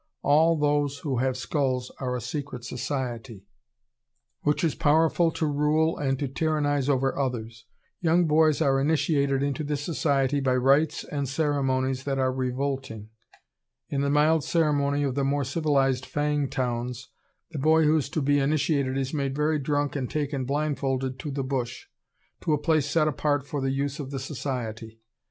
All those who have skulls are a secret society, which is powerful to rule and to tyrannize over others. Young boys are initiated into this society by rites and ceremonies that are revolting.... In the mild ceremony of the more civilized Fang towns, the boy who is to be initiated is made very drunk and taken blindfolded to the bush, to a place set apart for the use of the society.